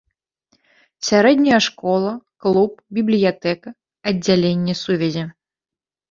Сярэдняя школа, клуб, бібліятэка, аддзяленне сувязі.